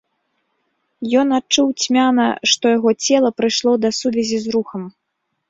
Ён адчуў цьмяна, што яго цела прыйшло да сувязі з рухам.